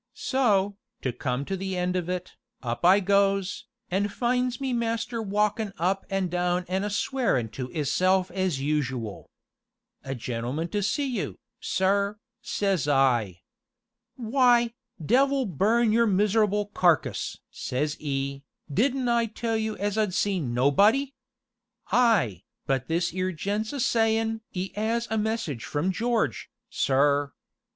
So, to come to the end of it, up I goes, an' finds me master walkin' up an' down an' a swearin' to 'isself as usual. 'A gentleman to see you, sir,' says I. 'Why, devil burn your miserable carcass!' say 'e, 'didn't I tell you as I'd see nobody?' 'Ay, but this 'ere gent's a sayin' 'e 'as a message from George, sir.'